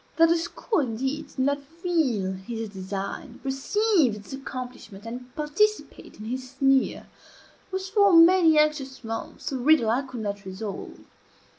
That the school, indeed, did not feel his design, perceive its accomplishment, and participate in his sneer, was, for many anxious months, a riddle I could not resolve.